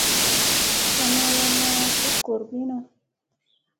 Sa ma wanna vut gorbina.